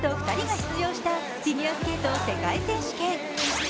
２人が出場したフィギュアスケート世界選手権。